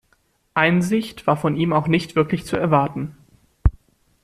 Einsicht war von ihm auch nicht wirklich zu erwarten.